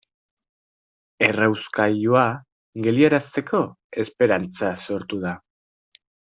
Errauskailua geldiarazteko esperantza sortu da.